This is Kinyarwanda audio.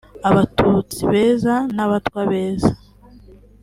abatutsi beza n’abatwa beza